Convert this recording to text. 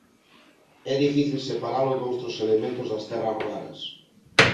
É difícil separalo doutros elementos das terras raras.